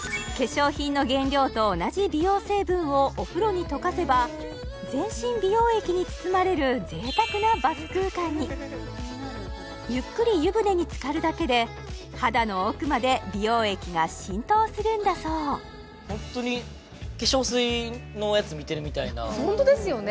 入浴剤が自分で全身美容液に包まれる贅沢なバス空間にゆっくり湯船につかるだけで肌の奥まで美容液が浸透するんだそうホントに化粧水のやつ見てるみたいなホントですよね